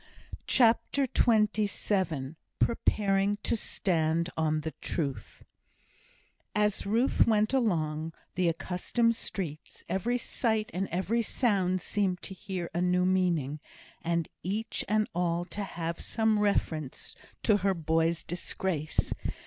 CHAPTER XXVII Preparing to Stand on the Truth As Ruth went along the accustomed streets, every sight and every sound seemed to bear a new meaning, and each and all to have some reference to her boy's disgrace.